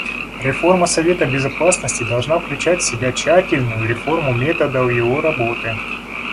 Реформа Совета Безопасности должна включать в себя тщательную реформу методов его работы.